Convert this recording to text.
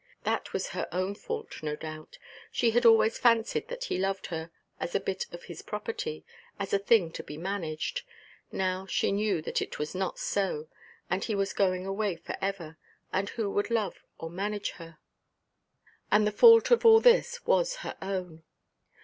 That was her own fault, no doubt. She had always fancied that he loved her as a bit of his property, as a thing to be managed; now she knew that it was not so; and he was going away for ever, and who would love or manage her? And the fault of all this was her own.